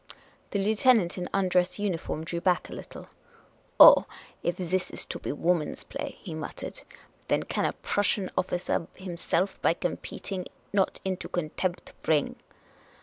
The lieutenant in undress uniform drew back a little. " Oh, if this is to be woman's play," he muttered, " then can a Prussian officer himself by competing not into con tempt bring.